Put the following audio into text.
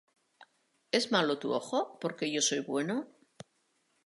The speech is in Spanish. ¿es malo tu ojo, porque yo soy bueno?